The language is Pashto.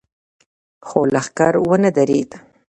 خو لښکر ونه درېد.